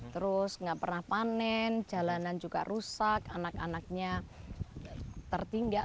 terus nggak pernah panen jalanan juga rusak anak anaknya tertinggal